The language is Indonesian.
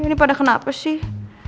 ini pada kenapa sih